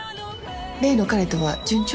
例の彼とは順調？